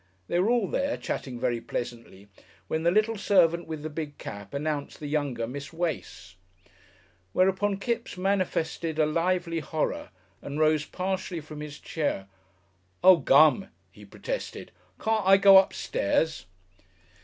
They were all there, chatting very pleasantly, when the little servant with the big cap announced the younger Miss Wace. Whereupon Kipps manifested a lively horror and rose partially from his chair. "O Gum!" he protested. "Carn't I go upstairs?"